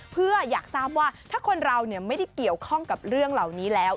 เพื่ออยากทราบว่าถ้าคนเราไม่ได้เกี่ยวข้องกับเรื่องเหล่านี้แล้ว